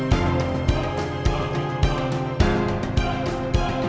makanya dia batalkan janjarin sama aku